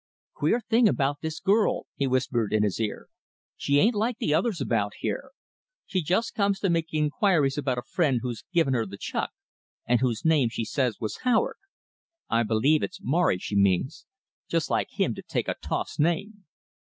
"Queer thing about this girl," he whispered in his ear. "She ain't like the others about here. She just comes to make inquiries about a friend who's given her the chuck, and whose name she says was Howard. I believe it's Morry she means. Just like him to take a toff's name!"